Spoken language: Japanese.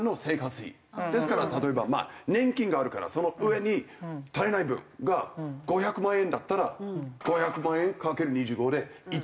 ですから例えば年金があるからその上に足りない分が５００万円だったら５００万円掛ける２５で１億２５００万円を。